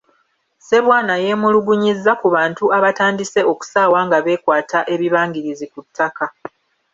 Ssebwana yeemulugunyizza ku bantu abatandise okusaawa nga beekwata ebibangirizi ku ttaka.